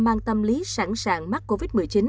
mang tâm lý sẵn sàng mắc covid một mươi chín